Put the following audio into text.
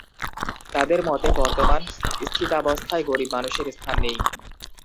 তাঁদের মতে বর্তমান স্থিতাবস্থায় গরিব মানুষের স্থান নেই।